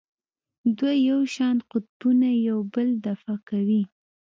دوه یو شان قطبونه یو بل دفع کوي.